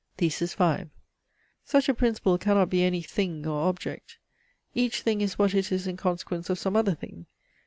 THESIS V Such a principle cannot be any THING or OBJECT. Each thing is what it is in consequence of some other thing.